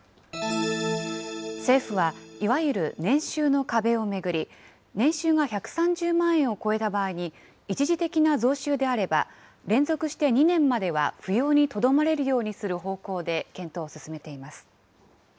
政府はいわゆる年収の壁を巡り、年収が１３０万円を超えた場合に、一時的な増収であれば、連続して２年までは扶養にとどまれるようにする方向で検討を進めています。